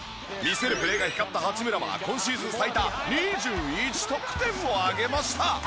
魅せるプレーが光った八村は今シーズン最多２１得点を挙げました！